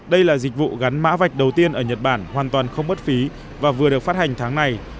đây là dịch vụ gắn mã vạch đầu tiên ở nhật bản hoàn toàn không mất phí và vừa được phát hành tháng này